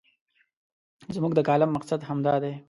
زموږ د کالم مقصد همدا دی.